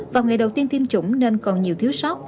vào ngày đầu tiên tiêm chủng nên còn nhiều thiếu sót